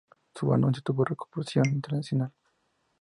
Su anuncio tuvo repercusión internacional.